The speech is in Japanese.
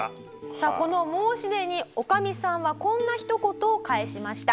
さあこの申し出に女将さんはこんな一言を返しました。